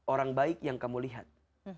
orang baik yang kamu lihat